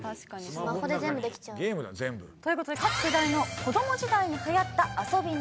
スマホで全部できちゃう。ということで各世代の子供時代にはやった遊びの定番。